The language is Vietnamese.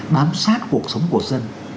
bám sát cuộc sống của dân